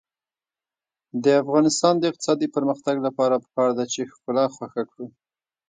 د افغانستان د اقتصادي پرمختګ لپاره پکار ده چې ښکلا خوښه کړو.